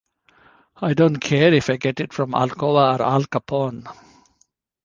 I don't care if I get it from Alcoa or Al Capone.